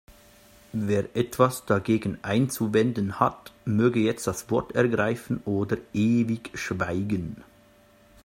Wer etwas dagegen einzuwenden hat, möge jetzt das Wort ergreifen oder ewig schweigen.